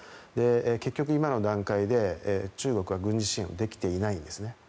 結局、今の段階で中国は軍事支援をできていないんですね。